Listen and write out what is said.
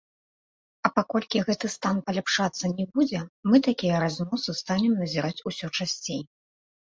А паколькі гэты стан паляпшацца не будзе, мы такія разносы станем назіраць усё часцей.